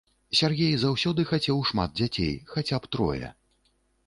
Сяргей заўсёды хацеў шмат дзяцей, хаця б трое.